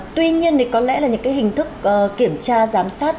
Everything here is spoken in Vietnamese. tuy nhiên thì có lẽ là những cái hình thức kiểm tra giám sát